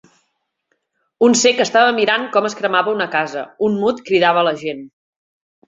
Un cec estava mirant com es cremava una casa, un mut cridava la gent.